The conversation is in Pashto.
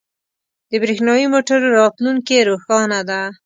• د برېښنايی موټرو راتلونکې روښانه ده.